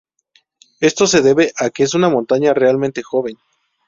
Esto se debe a que es una montaña relativamente joven.